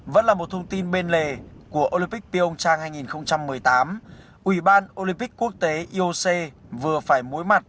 vẫn là một thông tin bên lề của olympic pion trang hai nghìn một mươi tám ủy ban olympic quốc tế ioc vừa phải mối mặt